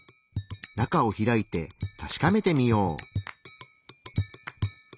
中を開いて確かめてみよう。